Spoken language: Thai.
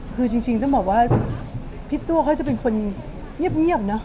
คือจริงต้องบอกว่าพี่ตัวเขาจะเป็นคนเงียบเนอะ